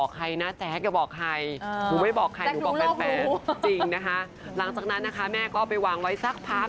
แล้วก็หล่านั้นนะคะแม่ก็ไปวางไว้สักพัก